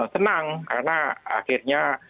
senang karena akhirnya